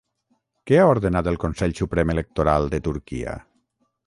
Què ha ordenat el Consell Suprem Electoral de Turquia?